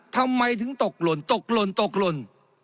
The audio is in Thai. ทำไมถึงตกหล่นตกหล่นตกหล่น